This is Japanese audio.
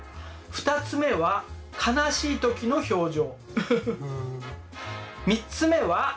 ３つ目は楽しい時の表情。